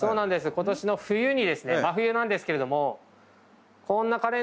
今年の冬にですね真冬なんですけれども何だ？